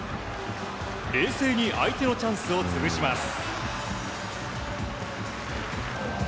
冷静に相手のチャンスを潰します。